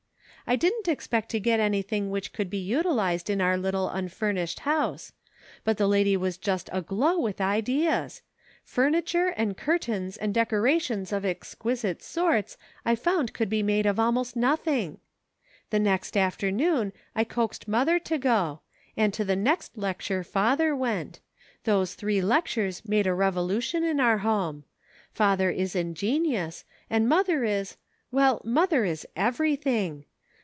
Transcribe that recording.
I didn't expect to EVOLUTION. 251 get anything which could be utilized in our little unfurnished house ; but the lady was just aglow with ideas ; furniture, and curtains and decorations of exquisite sorts I found could be made of almost nothing. " The next afternoon I coaxed mother to go, and to the next lecture father went ; those three lectures made a revolution in our home. Father is ingenious, and mother is — well, mother is everything.